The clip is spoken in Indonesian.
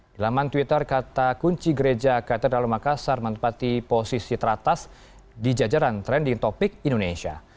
di laman twitter kata kunci gereja katedral makassar menempati posisi teratas di jajaran trending topic indonesia